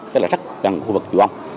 tức là rất gần khu vực chú ông